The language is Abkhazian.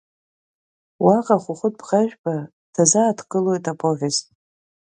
Уаҟа Хәыхәыт Бӷажәба дазааҭгылоит аповест.